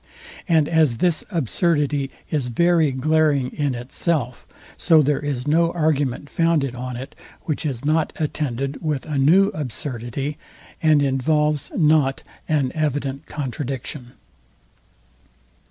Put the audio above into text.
And as this absurdity is very glaring in itself, so there is no argument founded on it which is not attended with a new absurdity, and involves not an evident contradiction.